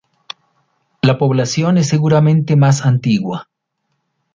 La población es seguramente más antigua.